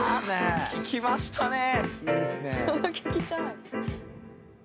聞きましたね。